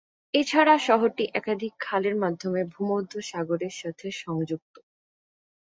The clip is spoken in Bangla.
এছাড়া শহরটি একাধিক খালের মাধ্যমে ভূমধ্যসাগরের সাথে সংযুক্ত।